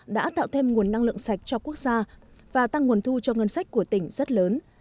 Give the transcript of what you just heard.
đã tạo thêm nguồn năng lượng sạch cho quốc gia và tăng nguồn thu cho ngân sách của tỉnh rất lớn